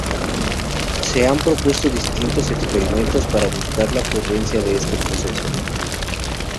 Se han propuesto distintos experimentos para buscar la ocurrencia de este proceso.